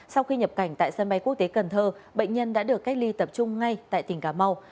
sau khi nhập cảnh tại sân bay quốc tế cần thơ bệnh nhân đã được cách ly tập trung ngay tại tỉnh cà mau